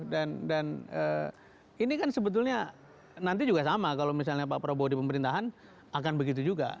dan ini kan sebetulnya nanti juga sama kalau misalnya pak prabowo di pemerintahan akan begitu juga